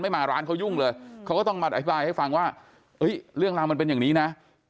มาร้านเขายุ่งเลยเขาก็ต้องมาอธิบายให้ฟังว่าเรื่องราวมันเป็นอย่างนี้นะ